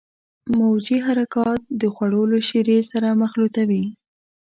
موجي حرکات د خوړو له شیرې سره مخلوطوي.